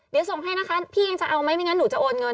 เดี๋ยวส่งให้นะคะพี่ยังจะเอาไหมไม่งั้นหนูจะโอนเงิน